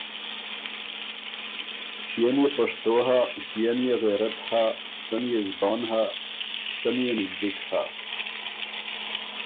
ݭيې نيې پشتو هۀ، ݭيې نيې غېرت هۀ، سۀ نيې زبان هۀ، سۀ نيې مِزدِک هۀ۔